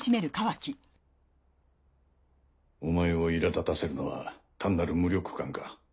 お前を苛立たせるのは単なる無力感か？